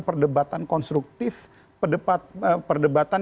perdebatan konstruktif perdebatan